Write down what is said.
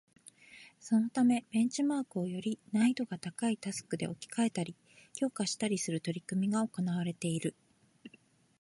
そのためベンチマークをより難易度が高いタスクで置き換えたり、強化したりする取り組みが行われている